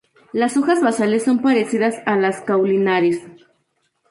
Las hojas basales son parecidas a las caulinares.